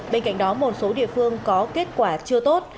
bên cạnh đó một số địa phương có kết quả chưa tốt